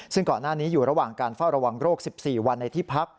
ซึ่งก่อนหน้านี้อยู่ระหว่างการเฝ้าระวังโรค๑๔วันในที่พัก